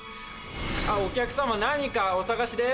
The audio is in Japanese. お客様何かお探しで？